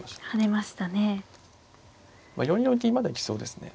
まあ４四銀まで行きそうですね。